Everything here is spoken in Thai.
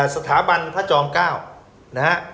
สถาบันทราบ๙